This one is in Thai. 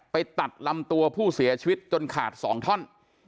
ไปตัดลำตัวผู้เสียชีวิตจนขาด๒ท่อน